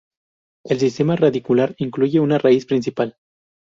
El sistema radicular incluye un raíz principal.